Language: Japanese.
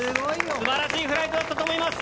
素晴らしいフライトだったと思います。